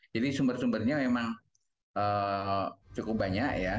jadi sumber sumbernya memang cukup banyak ya